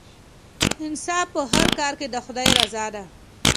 انصاف په هر کار کې د خدای رضا ده.